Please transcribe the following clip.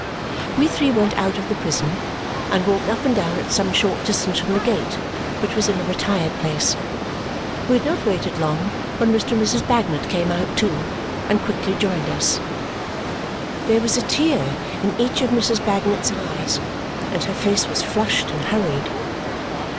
We three went out of the prison and walked up and down at some short distance from the gate, which was in a retired place. We had not waited long when Mr. and Mrs. Bagnet came out too and quickly joined us. There was a tear in each of Mrs. Bagnet's eyes, and her face was flushed and hurried.